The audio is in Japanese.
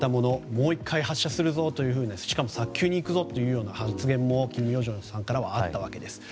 もう１回発射するぞというふうにしかも早急にいくぞという発言も金与正さんからはあったわけです。